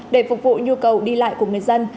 để phục vụ nhu cầu đi lại của người dân